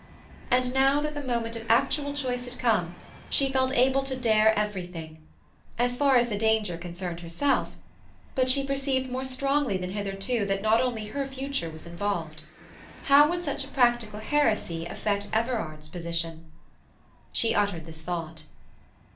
And now that the moment of actual choice had come she felt able to dare everything—as far as the danger concerned herself; but she perceived more strongly than hitherto that not only her own future was involved. How would such practical heresy affect Everard's position? She uttered this thought.